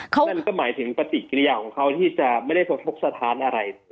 นั่นก็หมายถึงปฏิกิริยาของเขาที่จะไม่ได้สะทกสถานอะไร